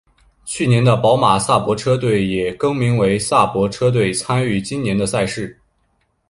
去年的宝马萨伯车队也更名为萨伯车队参与今年的赛事。